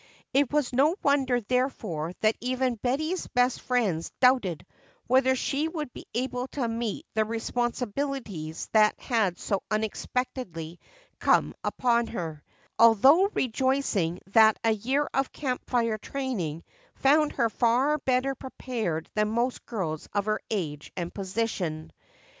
It was no wonder therefore, that even Betty's best friends doubted whether she would be able to meet the responsibilities that had so unexpectedly come upon her, although rejoicing that a year of Camp Fire training found her far better prepared than most girls of her age and position.